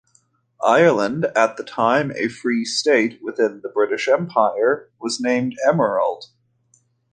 Ireland, at the time a free state within the British Empire, was named "Emerald".